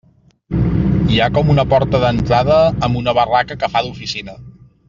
Hi ha com una porta d'entrada amb una barraca que fa d'oficina.